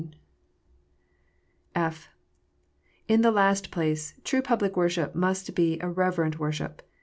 (/) In the last place, true public worship must be a reverent worship.